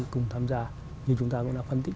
cùng tham gia như chúng ta cũng đã phân tích